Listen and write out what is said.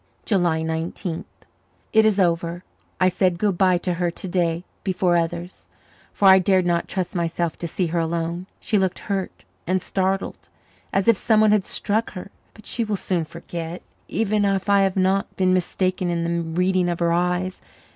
July Nineteenth. It is over. I said good bye to her to day before others, for I dared not trust myself to see her alone. She looked hurt and startled, as if someone had struck her. But she will soon forget, even if I have not been mistaken in the reading of her eyes.